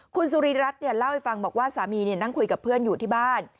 คุณสุริรัตน์เล่าให้ฟังบอกว่าสามีนั่งคุยกับเพื่อนอยู่ที่บ้าน